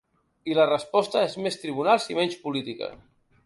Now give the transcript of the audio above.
I la resposta és més tribunals i menys política.